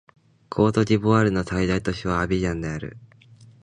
コートジボワールの最大都市はアビジャンである